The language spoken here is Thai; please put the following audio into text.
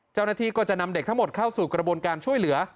เจ้าหน้าที่ก็จะนำเด็กทั้งหมดเข้าสู่กระบวนการช่วยเหลือ